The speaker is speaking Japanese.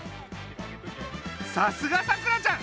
さすがさくらちゃん！